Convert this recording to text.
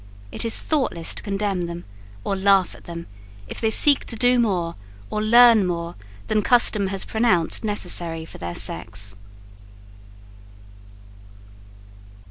It is thoughtless to condemn them, or laugh at them, if they seek to do more or learn more than custom has pronounced necessary for their sex.